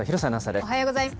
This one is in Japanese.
おはようございます。